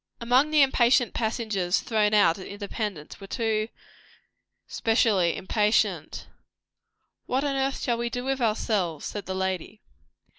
Among the impatient passengers thrown out at Independence were two specially impatient. "What on earth shall we do with ourselves?" said the lady.